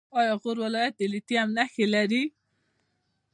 آیا غور ولایت د لیتیم نښې لري؟